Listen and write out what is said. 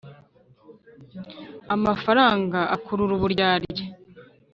amafaranga akurura uburyarya